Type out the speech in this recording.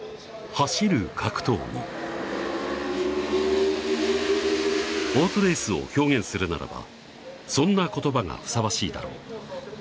走る格闘技オートレースを表現するならばそんな言葉がふさわしいだろう